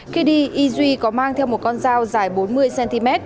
khi đi y duy có mang theo một con dao dài bốn mươi cm